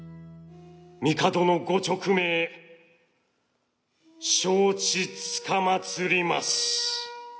「帝の御勅命承知つかまつります」。